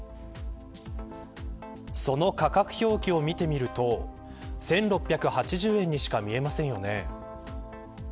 その価格表記を見てみると１６８０円にしか見えませんよね。